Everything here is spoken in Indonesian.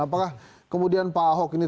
apakah kemudian pak ahok ini